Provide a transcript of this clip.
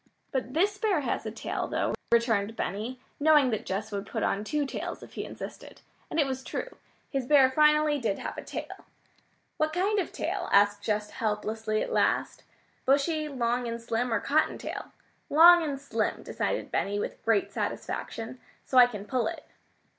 "But this bear has a tail, though," returned Benny, knowing that Jess would put on two tails if he insisted. And it was true. His bear finally did have a tail. "What kind of tail?" asked Jess helplessly at last. "Bushy, long and slim, or cotton tail?" "Long and slim," decided Benny with great satisfaction, "so I can pull it."